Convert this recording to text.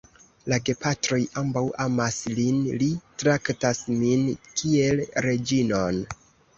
La gepatroj ambaŭ amas lin. Li traktas min kiel reĝinon.